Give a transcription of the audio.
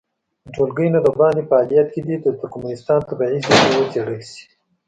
د ټولګي نه د باندې فعالیت کې دې د ترکمنستان طبیعي زېرمې وڅېړل شي.